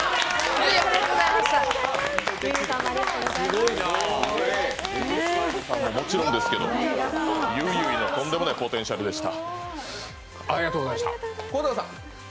ＲＥＧ☆ＳＴＹＬＥさんはもちろんですけどもゆいゆいのとんでもないポテンシャルでした。